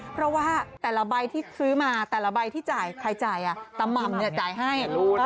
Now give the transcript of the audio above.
เพราะว่าแต่ละใบที่ซื้อมาแต่ละใบที่จ่ายใครจ่ายตาม่ำจ่ายให้